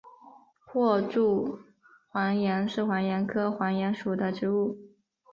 阔柱黄杨是黄杨科黄杨属的植物。